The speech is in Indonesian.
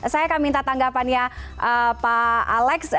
saya akan minta tanggapannya pak alex